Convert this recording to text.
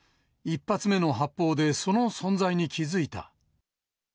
１発目の発砲でその存在に気付いた。